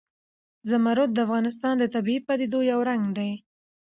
زمرد د افغانستان د طبیعي پدیدو یو رنګ دی.